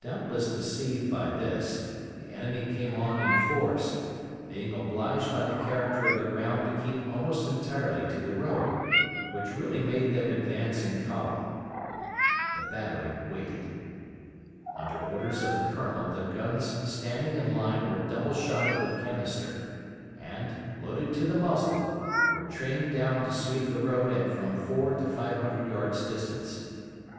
Doubtless deceived by this, the enemy came on in force, being obliged by the character of the ground to keep almost entirely to the road, which really made them advance in column. The battery waited. Under orders of the Colonel the guns standing in line were double shotted with canister, and, loaded to the muzzle, were trained down to sweep the road at from four to five hundred yards' distance.